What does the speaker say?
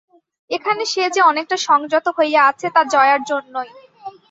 এখানে সে যে অনেকটা সংযত হইয়া আছে তা জয়ার জন্যই!